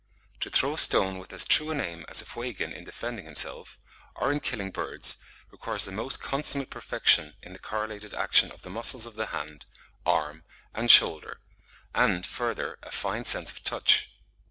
To throw a stone with as true an aim as a Fuegian in defending himself, or in killing birds, requires the most consummate perfection in the correlated action of the muscles of the hand, arm, and shoulder, and, further, a fine sense of touch.